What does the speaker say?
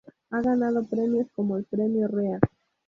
Ha ganado premios como el Premio Rea.